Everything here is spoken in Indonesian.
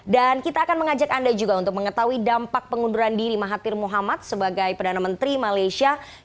dan kita akan mengajak anda juga untuk mengetahui dampak pengunduran diri mahathir muhammad sebagai perdana menteri malaysia